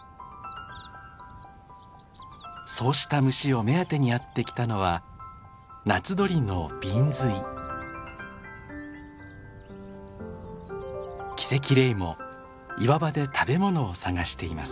そうした虫を目当てにやって来たのは夏鳥のキセキレイも岩場で食べ物を探しています。